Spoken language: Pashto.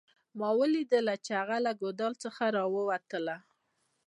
ما ولیدله چې هغه له ګودال څخه راووتله